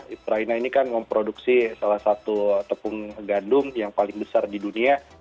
ukraina ini kan memproduksi salah satu tepung gandum yang paling besar di dunia